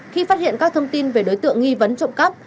khi phát hiện các thông tin về đối tượng nghi vấn trộm cắp